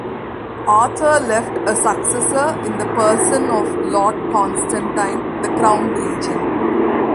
Arthur left a successor in the person of Lord Constantine the Crown Regent.